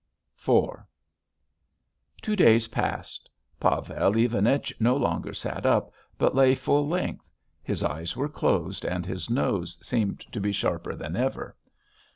IV Two days passed. Pavel Ivanich no longer sat up, but lay full length; his eyes were closed and his nose seemed to be sharper than ever.